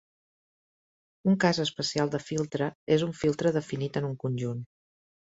Un cas especial de filtre és un filtre definit en un conjunt.